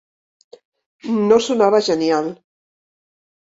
No sonava genial.